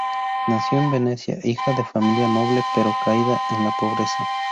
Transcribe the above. Nació en Venecia, hija de familia noble, pero caída en la pobreza.